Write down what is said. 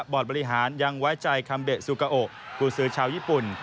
บอร์ดบริหารยังไว้ใจคัมเบสุกาโอคู่ซื้อชาวญี่ปุ่น